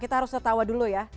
kita harus tertawa dulu ya